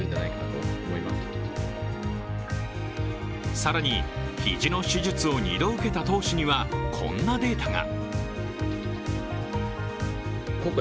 更に、肘の手術を２度受けた投手にはこんなデータが。